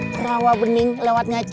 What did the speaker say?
kalau salahstudiahnya akuat sampai